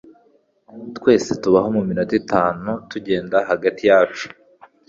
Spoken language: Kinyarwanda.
Twese tubaho muminota itanu tugenda hagati yacu.